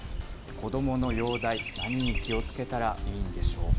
子どもの容体、何に気をつけたらいいんでしょうか。